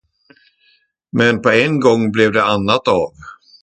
Men på en gång blev det annat av.